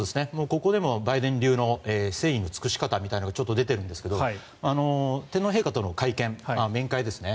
ここでもバイデン流の誠意の尽くし方みたいなのがちょっと出ているんですが天皇陛下との面会ですね。